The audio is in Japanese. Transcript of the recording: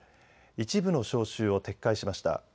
一部の招集を撤回しました。